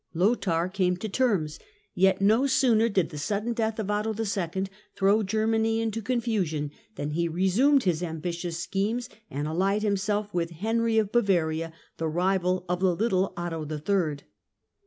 Lothair came to terms, yet no sooner did the sudden death of Otto II. throw Germany into confusion than he resumed his ambitious schemes and allied himself with Henry of Bavaria, the rival of the little Otto III. (see p.